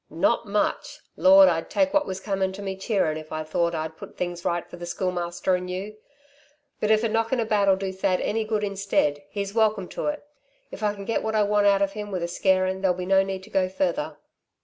"Not much! Lord, I'd take what was coming to me, cheerin', if I thought I'd put things right for the Schoolmaster and you. But if a knocking about'll do Thad any good instead, he's welcome to it. If I can get what I want out of him with a scarin' there'll be no need to go further.